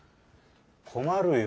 困るよ。